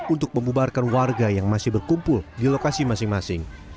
untuk membubarkan warga yang masih berkumpul di lokasi masing masing